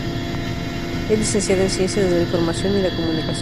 Es licenciada en Ciencias de la Información y la Comunicación.